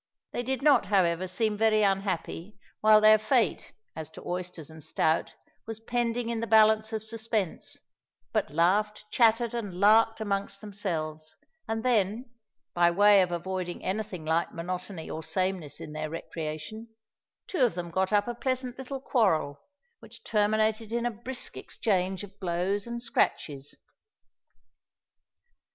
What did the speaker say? They did not, however, seem very unhappy while their fate, as to oysters and stout, was pending in the balance of suspense; but laughed, chattered, and larked amongst themselves; and then, by way of avoiding any thing like monotony or sameness in their recreation, two of them got up a pleasant little quarrel which terminated in a brisk exchange of blows and scratches.